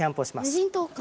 無人島か。